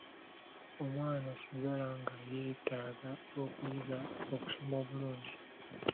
Omwana asigala nga yeetaaga okuyiga okusoma obulungi.